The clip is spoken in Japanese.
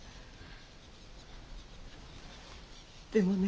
でもね